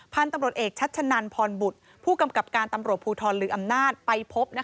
พันธุ์ตำรวจเอกชัชนันพรบุตรผู้กำกับการตำรวจภูทรลืออำนาจไปพบ